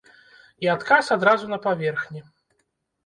І адказ адразу на паверхні.